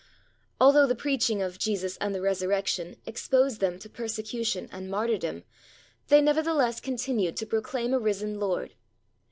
Although the preaching of "Jesus and the Resurrection" exposed them to persecution and martyrdom, they nevertheless continued to proclaim a risen Lord.